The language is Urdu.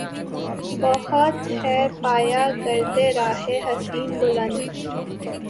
بہت ہے پایۂ گردِ رہِ حسین بلند